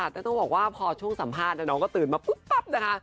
แต่ต้องบอกว่าพอช่วงสัมภาษณ์น้องก็ตื่นมาปุ๊บปั๊บนะคะ